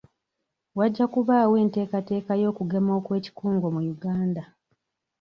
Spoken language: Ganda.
Wajja kubaawo enteekateeka y'okugema okw'ekikungo mu Uganda.